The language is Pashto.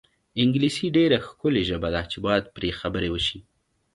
انګلیسي ډېره ښکلې ژبه ده چې باید پرې خبرې وشي.